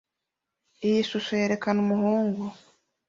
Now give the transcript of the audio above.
Iyi shusho yerekana umuhungu